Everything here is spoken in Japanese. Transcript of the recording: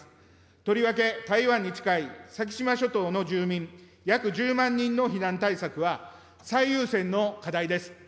とりわけ、台湾に近い先島諸島の住民約１０万人の避難対策は、最優先の課題です。